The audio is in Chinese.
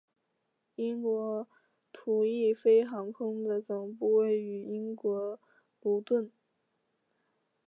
英国途易飞航空的总部位于英国卢顿。